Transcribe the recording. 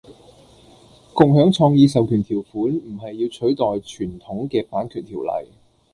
共享創意授權條款唔係要取代傳統嘅版權條例